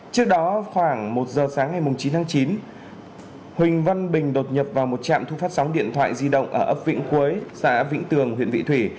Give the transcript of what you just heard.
trước đó khoảng một giờ sáng ngày chín tháng chín huỳnh văn bình đột nhập vào một trạm thu phát sóng điện thoại di động ở ấp vĩnh quế xã vĩnh tường huyện vị thủy